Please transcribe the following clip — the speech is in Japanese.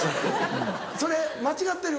それ間違ってる。